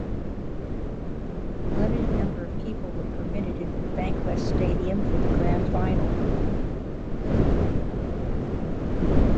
A limited number of people were permitted into Bankwest Stadium for the Grand Final.